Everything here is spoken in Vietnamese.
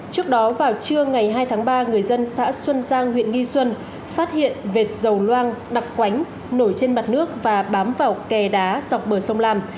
trước đó vào trưa ngày hai tháng ba người dân xã xuân giang huyện nghi xuân phát hiện vệt dầu loang đặc quánh nổi trên mặt nước và bám vào kè đá dọc bờ sông lam